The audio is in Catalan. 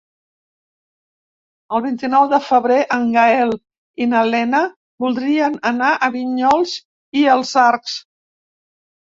El vint-i-nou de febrer en Gaël i na Lena voldrien anar a Vinyols i els Arcs.